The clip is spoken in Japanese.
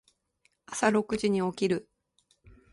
朝六時に起きる。